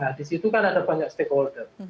nah di situ kan ada banyak stakeholder